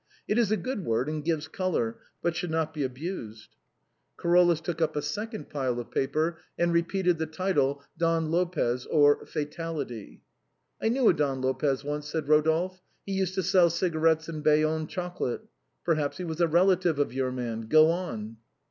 It is a good word, and gives color, but should not be abused." Carolus took up a second pile of paper, and repeated the title "Don Lopez; or. Fatality." 146 THE BOHEMIANS OF THE LATIN QUARTER. " I knew a Don Lopez once," said Eodolphe ;" he used to sell cigarettes and Bayonne chocolate; perhaps he was a relation to your man. Go on."